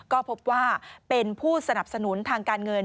ก็พบว่าเป็นผู้สนับสนุนทางการเงิน